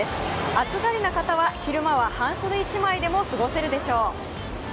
暑がりの方は昼間は半袖１枚でも過ごせるでしょう。